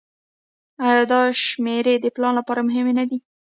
آیا دا شمیرې د پلان لپاره مهمې نه دي؟